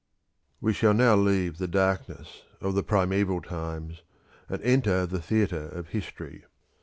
We shall now leave the darkness of the primeval times, and enter the theatre of history.